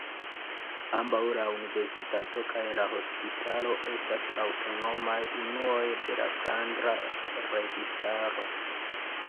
Ambaŭ la universitato kaj la hospitalo estas aŭtonomaj unuoj de la Flandra Registaro.